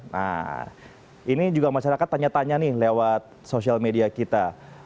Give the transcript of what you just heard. nah ini juga masyarakat tanya tanya nih lewat sosial media kita